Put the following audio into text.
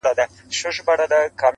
• توند بادونه وای توپان وای -